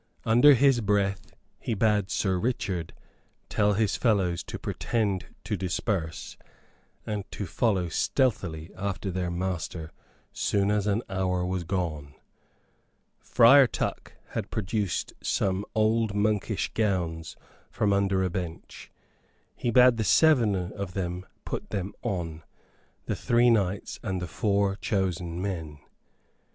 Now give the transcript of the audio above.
Under his breath he bade Sir Richard tell his fellows to pretend to disperse, and to follow stealthily after their master soon as an hour was gone. Friar Tuck had produced some old monkish gowns from under a bench. He bade the seven of them put them on, the three knights and the four chosen men.